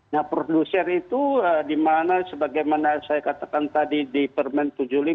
nah produser itu dimana sebagaimana saya katakan tadi di permen tujuh puluh lima dua ribu sembilan belas